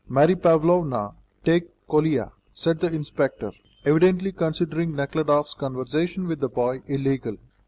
"Mary Pavlovna, take Kolia!" said the inspector, evidently considering Nekhludoff's conversation with the boy illegal.